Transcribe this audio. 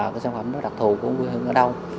cái sản phẩm đó đặc thù của nguyên hương ở đâu